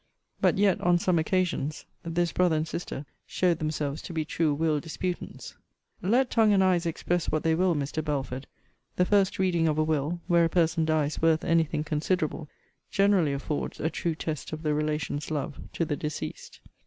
But yet, on some occasions, this brother and sister showed themselves to be true will disputants. Let tongue and eyes express what they will, Mr. Belford, the first reading of a will, where a person dies worth anything considerable, generally affords a true test of the relations' love to the deceased.